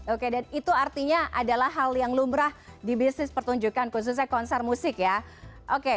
oke dan itu artinya adalah hal yang lumrah di bisnis pertunjukan khususnya konser musik ya oke